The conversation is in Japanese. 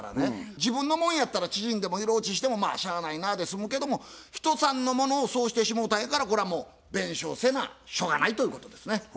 自分のもんやったら縮んでも色落ちしてもまあしゃあないなですむけども人さんのものをそうしてしもうたんやからこれはもう弁償せなしょうがないということですね。